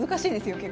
結構。